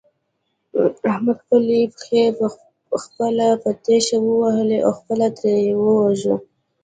احمد خپلې پښې په خپله په تېشه ووهلې او خپل تره يې وواژه.